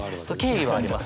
敬意はあります。